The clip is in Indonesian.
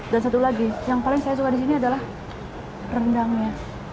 dan satu lagi yang paling saya suka disini adalah rendangnya